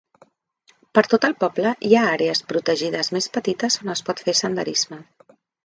Per tot el poble hi ha àrees protegides més petites on es pot fer senderisme.